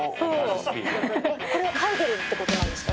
「これは嗅いでるって事なんですか？